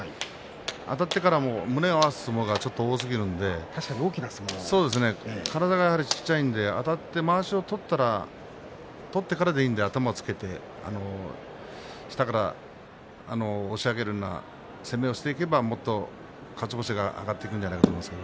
あたってから胸を合わせる相撲が多すぎるんで体が小さいのであたってまわしを取ってからでいいので頭をつけて下から押し上げるような攻めをしていけば勝ち星が挙がってくると思います。